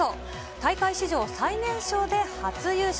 大会史上最年少で初優勝。